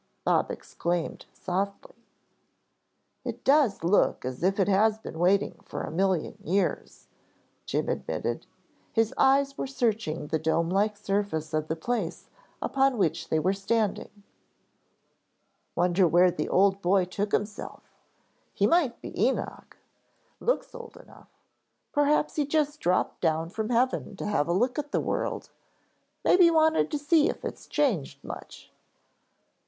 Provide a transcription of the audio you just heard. Bob exclaimed softly. "It does look as if it has been waiting for a million years," Jim admitted. His eyes were searching the dome like surface of the place upon which they were standing. "Wonder where the old boy took himself. He might be Enoch. Looks old enough. Perhaps he just dropped down from heaven to have a look at the world; maybe wanted to see if it's changed much."